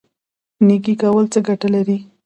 نیکي کول څه ګټه لري؟